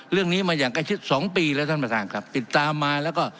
เรื่องนี้มาอย่างใกล้ชิดสองปีแล้วท่านประธานครับติดตามมาแล้วก็